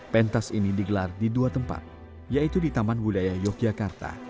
pentas ini digelar di dua tempat yaitu di taman budaya yogyakarta